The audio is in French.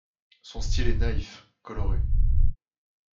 Son style est naïf, coloré.